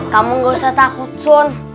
kamu gak usah takut sun